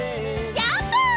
ジャンプ！